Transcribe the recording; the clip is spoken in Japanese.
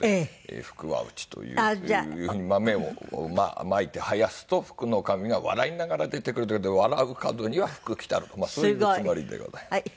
「福は内」というふうに豆をまいて生やすと福の神が笑いながら出てくるという事で笑う門には福来たるとそういうつもりでございます。